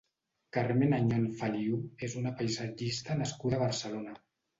Carmen Añón Feliú és una paisatgista nascuda a Barcelona.